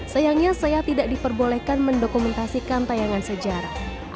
sayangnya saya tidak diperbolehkan mendokumentasikan tayangan sejarah